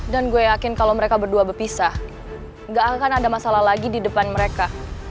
dan gue yakin kalau mereka berdua berpisah gak akan ada masalah lagi di depan mereka